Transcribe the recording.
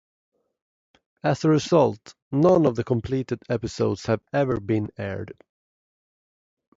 As a result, none of the completed episodes have ever been aired.